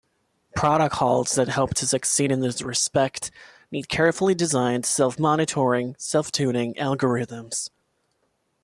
Protocols that hope to succeed in this respect need carefully designed self-monitoring, self-tuning algorithms.